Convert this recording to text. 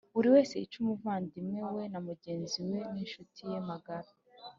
buri wese yice umuvandimwe we na mugenzi we n incuti ye magara